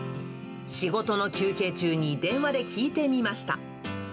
仕事の休憩中に電話で聞いてみま